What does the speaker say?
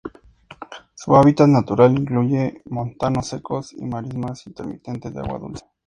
Su hábitat natural incluye montanos secos y marismas intermitentes de agua dulce.